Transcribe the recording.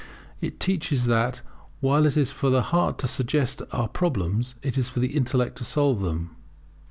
It teaches that while it is for the heart to suggest our problems, it is for the intellect to solve them.